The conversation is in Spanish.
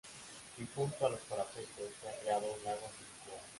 Y junto a los parapetos, se ha creado un lago artificial.